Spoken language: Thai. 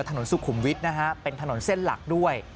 ถนนสุขุมวิทย์นะฮะเป็นถนนเส้นหลักด้วย